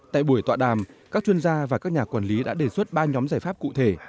tại buổi tọa đàm các chuyên gia và các nhà quản lý đã đề xuất ba nhóm giải pháp cụ thể